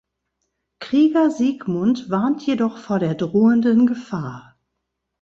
Krieger Siegmund warnt jedoch vor der drohenden Gefahr.